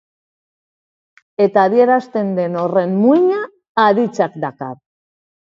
Eta adierazten den horren muina aditzak dakar.